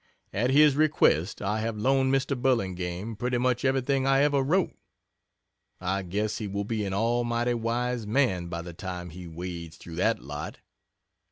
At his request I have loaned Mr. Burlingame pretty much everything I ever wrote. I guess he will be an almighty wise man by the time he wades through that lot.